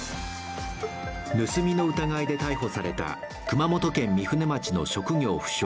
盗みの疑いで逮捕された熊本県御船町の職業不詳